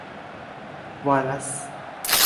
วอลลัส